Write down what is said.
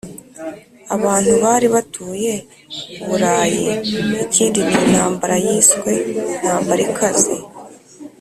abantu bari batuye uburayi ikindi ni intambara yiswe intambara ikaze